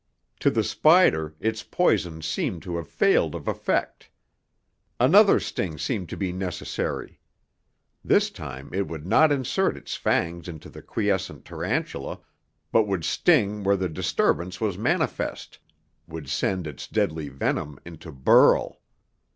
To the spider, its poison seemed to have failed of effect. Another sting seemed to be necessary. This time it would not insert its fangs into the quiescent tarantula, but would sting where the disturbance was manifest would send its deadly venom into Burl.